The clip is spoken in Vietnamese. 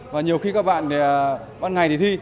và nhiều khi các bạn bán ngày thì thi